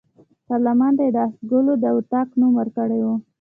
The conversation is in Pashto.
پارلمان ته یې د آس ګلو د اطاق نوم ورکړی وو.